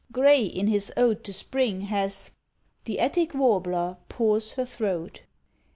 Gray, in his "Ode to Spring," has The Attic warbler POURS HER THROAT.